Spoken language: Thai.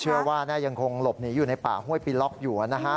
ว่ายังคงหลบหนีอยู่ในป่าห้วยปีล็อกอยู่นะฮะ